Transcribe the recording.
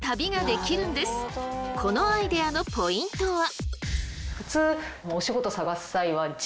このアイデアのポイントは。